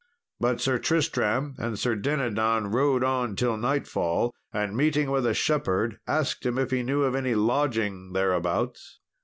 But Sir Tristram and Sir Dinadan rode on till nightfall, and meeting with a shepherd, asked him if he knew of any lodging thereabouts.